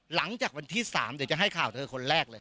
หลังจากวันที่๓เดี๋ยวจะให้ข่าวเธอคนแรกเลย